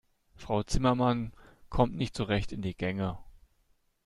Frau Zimmermann kommt nicht so recht in die Gänge.